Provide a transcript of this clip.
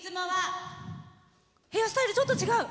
ヘアスタイルちょっと違う。